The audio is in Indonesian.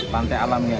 pantai alami aja